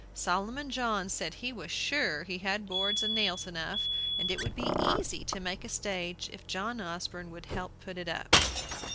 Solomon John said he was sure he had boards and nails enough, and it would be easy to make a stage if John Osborne would help put it up.